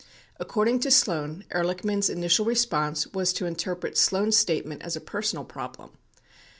According to Sloan, Ehrlichman's initial response was to interpret Sloan's statement as a personal problem.